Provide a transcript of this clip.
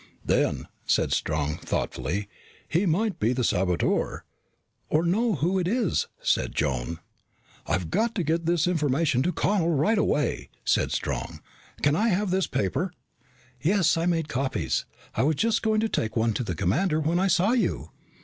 "Then," said Strong thoughtfully, "he might be the saboteur." "Or know who it is," said Joan. "I've got to get this information to Connel right away!" said Strong. "Can I have this paper?" "Yes. I made copies. I was just going to take one to the commander when I saw you."